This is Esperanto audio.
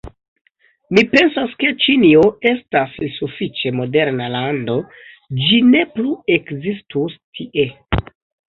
Mi pensas ke Ĉinio estas sufiĉe moderna lando, ĝi ne plu ekzistus tie.